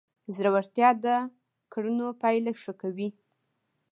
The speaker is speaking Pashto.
زړورتیا د کړنو پایله ښه کوي.